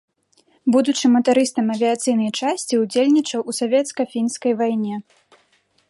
Будучы матарыстам авіяцыйнай часці, удзельнічаў у савецка-фінскай вайне.